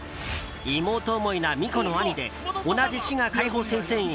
妹思いな美湖の兄で同じ滋賀解放戦線員